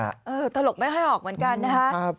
เออตลกไม่ให้ออกเหมือนกันนะครับ